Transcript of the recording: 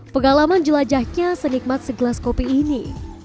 pengalaman jelajahnya senikmat segelas kopi ini